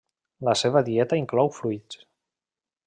La seva dieta inclou fruits.